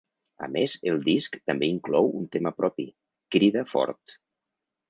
A més el disc també inclou un tema propi, ‘Crida fort’.